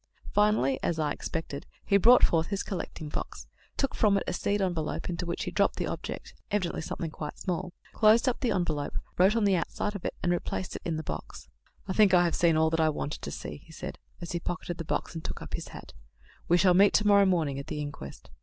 Finally, as I expected, he brought forth his "collecting box," took from it a seed envelope, into which he dropped the object evidently something quite small closed up the envelope, wrote on the outside of it, and replaced it in the box. "I think I have seen all that I wanted to see," he said, as he pocketed the box and took up his hat. "We shall meet to morrow morning at the inquest."